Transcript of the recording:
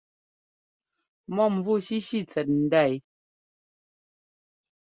Mɔ̂mvú shíshí tsɛt ndá yɛ.